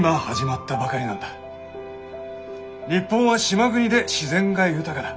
日本は島国で自然が豊かだ。